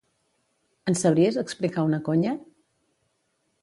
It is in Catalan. Ens sabries explicar una conya?